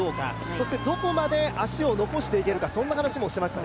そして、どこまで足を残していけるかそんな話をしていました。